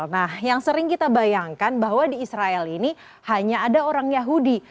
nah yang sering kita bayangkan bahwa di israel ini hanya ada orang yahudi